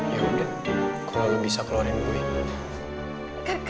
ya udah tuh kalau lo bisa keluarin gue